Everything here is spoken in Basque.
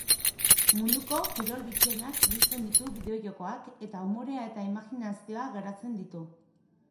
Munduko kirol bitxienak biltzen ditu bideo-jokoak eta umorea eta imajinazioa garatzen ditu.